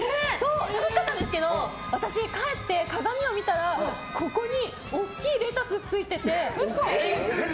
楽しかったんですけど私、帰って鏡を見たらここに大きいレタスついてて。